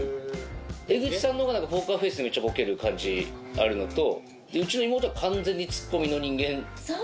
江口さんのほうがポーカーフェースでめっちゃボケる感じあるのとうちの妹は完全にツッコミの人間なんで。